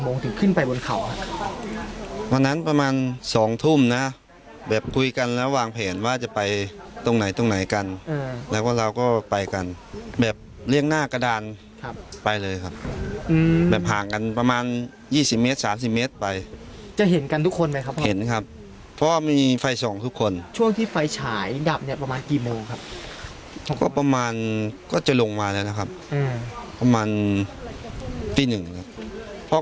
โมงถึงขึ้นไปบนเขาครับวันนั้นประมาณสองทุ่มนะแบบคุยกันแล้ววางแผนว่าจะไปตรงไหนตรงไหนกันแล้วก็เราก็ไปกันแบบเลี่ยงหน้ากระดานครับไปเลยครับแบบห่างกันประมาณยี่สิบเมตรสามสิบเมตรไปจะเห็นกันทุกคนไหมครับเห็นครับเพราะว่ามีไฟส่องทุกคนช่วงที่ไฟฉายดับเนี่ยประมาณกี่โมงครับเขาก็ประมาณก็จะลงมาแล้วนะครับประมาณตีหนึ่งครับเพราะ